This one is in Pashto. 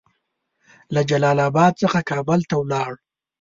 له جلال اباد څخه کابل ته ولاړ.